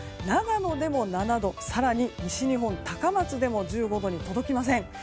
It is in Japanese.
長野でも７度更に西日本、高松でも１５度に届きません。